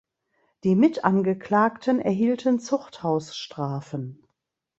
Die Mitangeklagten erhielten Zuchthausstrafen.